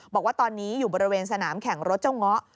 บอกว่าตอนนี้อยู่บริเวณสนามแข่งรถเจ้าเงาะ